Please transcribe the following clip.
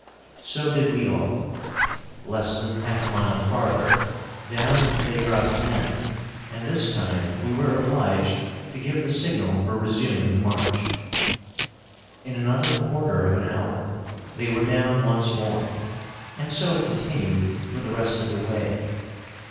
So did we all. Less than half a mile farther, down they dropped again, and this time we were obliged to give the signal for resuming the march. In another quarter of an hour they were down once more, and so it continued for the rest of the way.